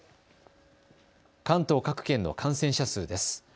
関東各県の感染者数です。